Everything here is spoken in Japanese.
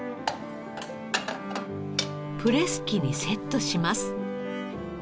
プレス機にセットします。